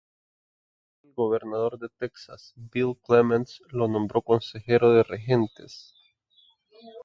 El Gobernador de Texas, Bill Clements, lo nombró consejero de regentes.